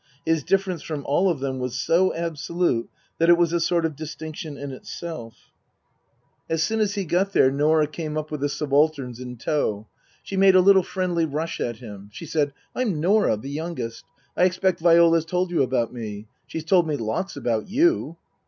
His dif ference from all of them was so absolute that it was a sort of distinction in itself. 134 Tasker Jevons As soon as he got there Norah came up with the subal terns in tow. She made a little friendly rush at him. She said, " I'm Norah, the youngest. I expect Viola's told you about me. She's told me lots about you."